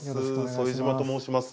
副島と申します。